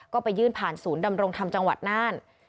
ก็ไปยื่นผ่านศูนย์ดำรงธรรมจังหวัดน่าน